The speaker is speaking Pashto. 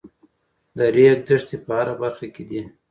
د ریګ دښتې په هره برخه کې دي.